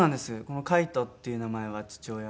この「海人」っていう名前は父親が。